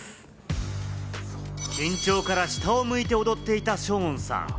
緊張から下を向いて踊っていたショーンさん。